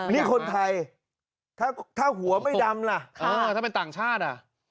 นี่คนไทยถ้าหัวไม่ดำล่ะถ้าเป็นต่างชาติ